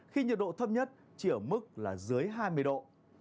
khi nhiệt độ thấp nhất chỉ ở mức là dưới hai mươi độ